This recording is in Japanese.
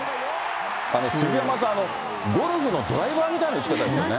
杉山さん、ゴルフのドライバーみたいな打ち方ですよね。